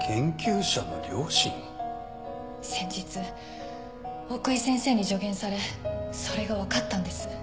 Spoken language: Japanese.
先日奥居先生に助言されそれがわかったんです。